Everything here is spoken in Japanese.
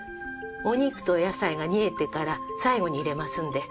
お肉とお野菜が煮えてから最後に入れますんで。